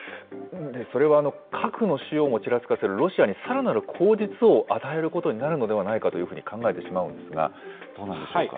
それは核の使用もちらつかせるロシアのさらなる口実を与えることになるのではないかというふうに考えてしまうんですが、どうなんでしょうか。